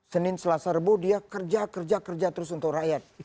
senin selasa rebu dia kerja kerja kerja terus untuk rakyat